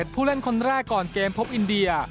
ผู้เล่นคนแรกก่อนเกมพบอินเดีย